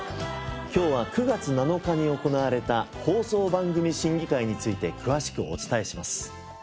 今日は９月７日に行われた放送番組審議会について詳しくお伝えします。